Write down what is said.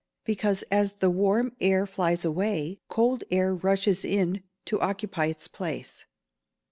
_ Because, as the warm air flies away, cold air rushes in to occupy its place.